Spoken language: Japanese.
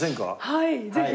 はいぜひ。